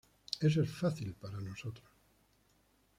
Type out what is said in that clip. Eso es fácil para nosotros.